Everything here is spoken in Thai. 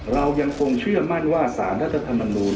เรายังคงเชื่อมั่นว่าสารรัฐธรรมนูล